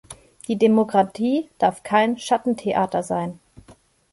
Die Demokratie darf kein Schattentheater sein.